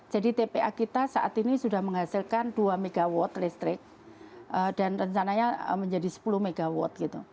jadi tpa kita saat ini sudah menghasilkan dua mw listrik dan rencananya menjadi sepuluh mw gitu